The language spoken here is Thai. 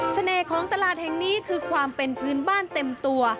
ของตลาดแห่งนี้คือความเป็นพื้นบ้านเต็มตัว